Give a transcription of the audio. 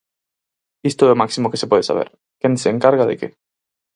Isto é o máximo que se pode saber: quen se encarga de que.